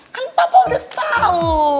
kan papa udah tau